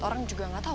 orang juga gak tau